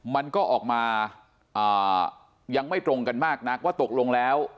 มันก็ออกมายังไม่ตรงกันมากนักว่าตกลงแล้ว